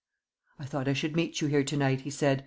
"I thought I should meet you here to night," he said.